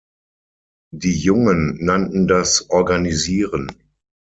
Die Jungen nannten das "organisieren".